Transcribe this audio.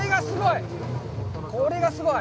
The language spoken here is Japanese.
これがすごい！